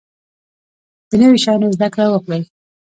د نوي شیانو زده کړه وکړئ